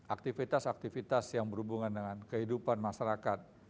aktivitas aktivitas yang berhubungan dengan kehidupan masyarakat